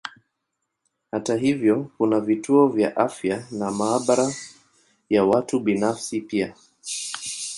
Hata hivyo kuna vituo vya afya na maabara ya watu binafsi pia.